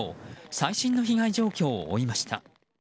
最新の被害状況を追いました。